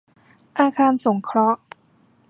อาคารสงเคราะห์